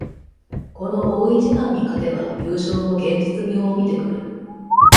この大一番に勝てば優勝も現実味を帯びてくる